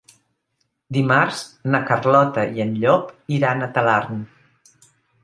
Dimarts na Carlota i en Llop iran a Talarn.